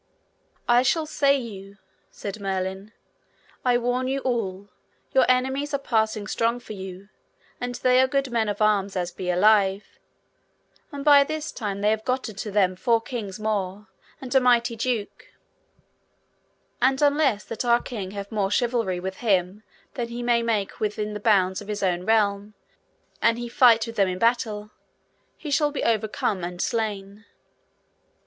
I shall say you, said Merlin, I warn you all, your enemies are passing strong for you, and they are good men of arms as be alive, and by this time they have gotten to them four kings more, and a mighty duke; and unless that our king have more chivalry with him than he may make within the bounds of his own realm, an he fight with them in battle, he shall be overcome and slain.